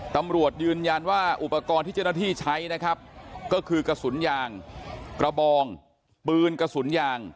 ตำรวจยืนยันว่าอุปกรณ์ที่เจ้าหน้าที่ใช้นะครับก็คือกระสุนยางกระบองปืนกระสุนยาง